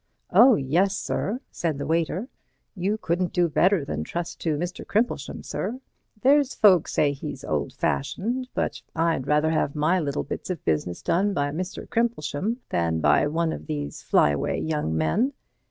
"Oh, yes, sir," said the waiter, "you couldn't do better than trust to Mr. Crimplesham, sir. There's folk say he's old fashioned, but I'd rather have my little bits of business done by Mr. Crimplesham than by one of these fly away young men.